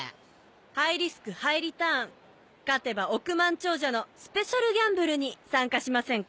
ハイリスクハイリターン勝てば億万長者のスペシャルギャンブルに参加しませんか？